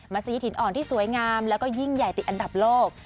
สีถิ่นอ่อนที่สวยงามแล้วก็ยิ่งใหญ่ติดอันดับโลก